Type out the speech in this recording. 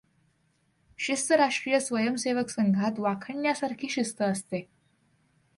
शिस्त राष्ट्रीय स्वयंसेवक संघात वाखाणण्यासारखी शिस्त असते.